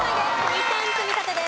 ２点積み立てです。